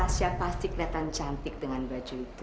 asia pasti kelihatan cantik dengan baju itu